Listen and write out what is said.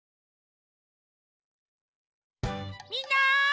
みんな！